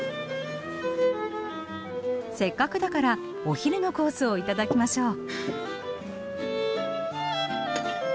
せっかくだからお昼のコースを頂きましょう。